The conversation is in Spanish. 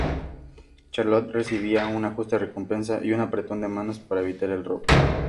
Charlot recibirá una justa recompensa y un apretón de manos por evitar el robo.